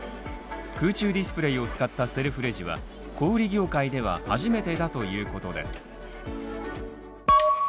空中ディスプレイを使ったセルフレジは小売業界では初めてだということです。